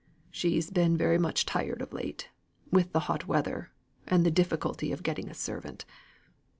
She's been very much tired of late, with the hot weather, and the difficulty of getting a servant.